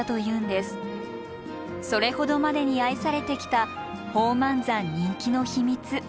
それほどまでに愛されてきた宝満山人気の秘密。